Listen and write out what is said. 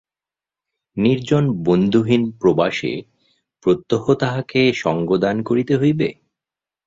নির্জন বন্ধুহীন প্রবাসে প্রত্যহ তাহাকে সঙ্গদান করিতে হইবে?